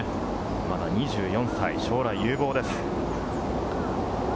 まだ２４歳、将来有望です。